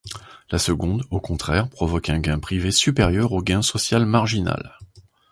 La seconde, au contraire, provoque un gain privé supérieur au gain social marginal.